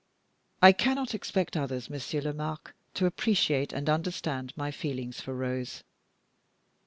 I cannot expect others, Monsieur Lomaque, to appreciate and understand my feelings for Rose.